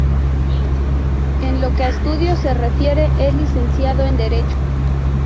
En lo que a estudios se refiere, es licenciado en Derecho.